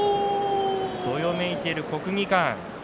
どよめいている国技館。